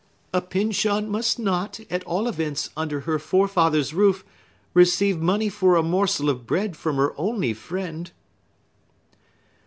"A Pyncheon must not, at all events under her forefathers' roof, receive money for a morsel of bread from her only friend!"